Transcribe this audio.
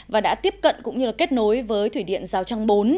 và đã tiếp cận cũng như kết nối với thủy điện rào trang bốn